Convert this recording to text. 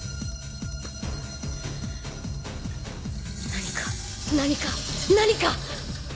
何か何か何か！